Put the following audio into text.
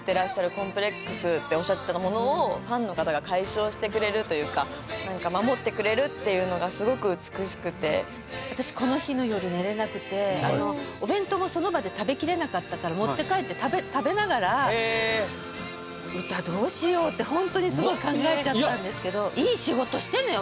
コンプレックスっておっしゃってたものをファンの方が解消してくれるというか何か守ってくれるっていうのがすごく美しくて私この日の夜寝れなくてお弁当もその場で食べきれなかったから持って帰って食べながらってホントにすごい考えちゃったんですけどいい仕事してんのよ